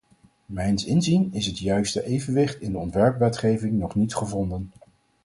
Mijns inziens is het juiste evenwicht in de ontwerpwetgeving nog niet gevonden.